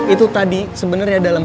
itu tadi sebenernya dalam hal yang